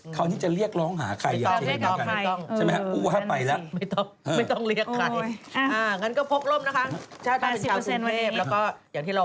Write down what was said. คราวนี้จะเรียกล้องหาใคร